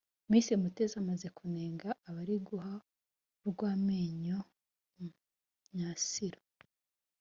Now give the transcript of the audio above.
Miss Mutesi amaze kunenga abari guha urw’amenyo Myasiro